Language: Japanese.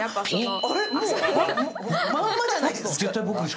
あれっ、まんまじゃないですか。